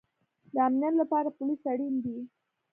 د امنیت لپاره پولیس اړین دی